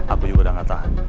aku juga sudah ngata